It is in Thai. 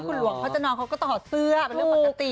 คุณหลวงเขาจะนอนเขาก็ถอดเสื้อเป็นเรื่องปกติ